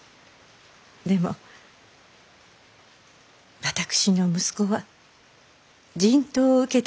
でも私の息子は人痘を受けたのですよ。